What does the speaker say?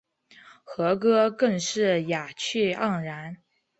和歌更是雅趣盎然。